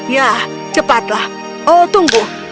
ya cepatlah oh tunggu